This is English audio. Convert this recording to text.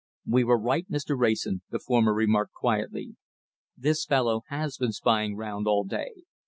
"We were right, Mr. Wrayson," the former remarked quietly. "This fellow has been spying round all day.